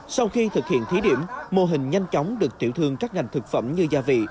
sau khi thực hiện thí điểm mô hình nhanh chóng được tiểu thương các ngành thực phẩm như gia vị